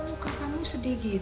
kok muka kamu sedih gitu